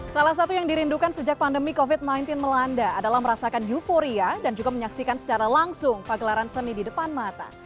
salah satu yang dirindukan sejak pandemi covid sembilan belas melanda adalah merasakan euforia dan juga menyaksikan secara langsung pagelaran seni di depan mata